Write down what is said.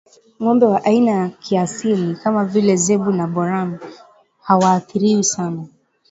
ng'ombe wa aina za kiasili kama vile Zebu na Boran hawaathiriwi sana